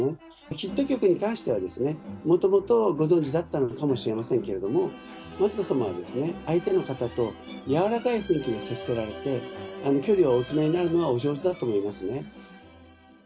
ヒット曲に関しては、もともとご存じだったのかもしれませんけれども、雅子さまは、相手の方と柔らかい雰囲気で接せられて、距離をお詰めになるのはお上手だと思いますね。